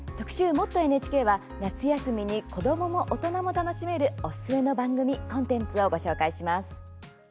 「もっとＮＨＫ」は夏休みに子どもも大人も楽しめるおすすめの番組コンテンツを紹介します。